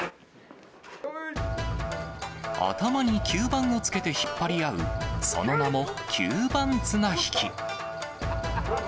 頭に吸盤をつけて引っ張り合う、その名も吸盤綱引き。